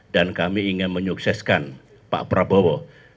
dan kami ingin menyukseskan pak prabowo